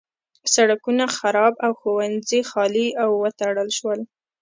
سړکونه خراب او ښوونځي خالي او وتړل شول.